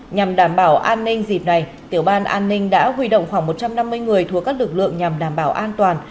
nhằm đảm bảo an ninh dịp này tiểu ban an ninh đã huy động khoảng một trăm năm mươi người thuộc các lực lượng nhằm đảm bảo an toàn